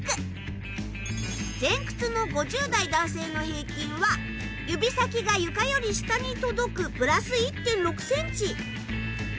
前屈の５０代男性の平均は指先が床より下に届くプラス１．６ｃｍ。